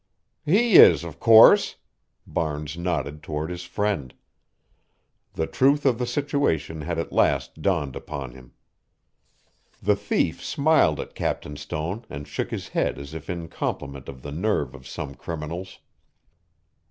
"He is, of course!" Barnes nodded toward his friend. The truth of the situation had at last dawned upon him. The thief smiled at Captain Stone and shook his head as if in compliment of the nerve of some criminals.